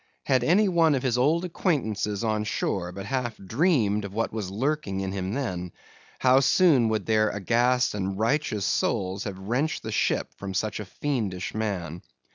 Had any one of his old acquaintances on shore but half dreamed of what was lurking in him then, how soon would their aghast and righteous souls have wrenched the ship from such a fiendish man!